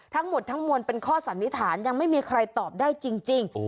ทั้งหมดทั้งมวลเป็นข้อสันนิษฐานยังไม่มีใครตอบได้จริง